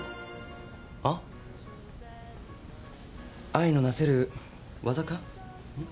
あ愛のなせる技か？